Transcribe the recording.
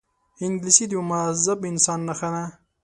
انګلیسي د یوه مهذب انسان نښه ده